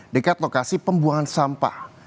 dekat lokasi pembuangan sampah